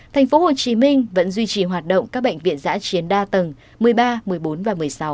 tp hcm vẫn duy trì hoạt động các bệnh viện giã chiến đa tầng một mươi ba một mươi bốn và một mươi sáu